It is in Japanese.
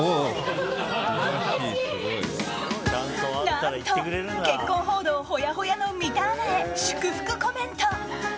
何と、結婚報道ほやほやの三田アナへ祝福コメント。